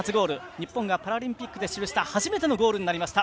日本、パラリンピックで示した初めてのゴールになりました。